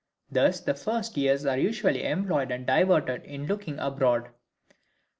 Thus the first years are usually employed and diverted in looking abroad.